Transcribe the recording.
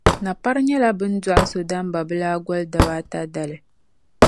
Napari nyɛla bɛ ni dɔɣi so Dambabilaa gɔli dabaa ata dali.